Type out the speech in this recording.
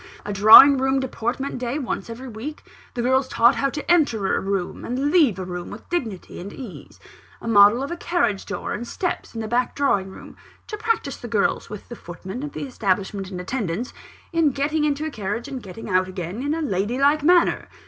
A drawing room deportment day once every week the girls taught how to enter a room and leave a room with dignity and ease a model of a carriage door and steps, in the back drawing room, to practise the girls (with the footman of the establishment in attendance) in getting into a carriage and getting out again, in a lady like manner!